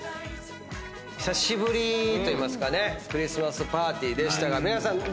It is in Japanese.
久しぶりといいますかねクリスマスパーティーでしたが皆さんどうでしたか？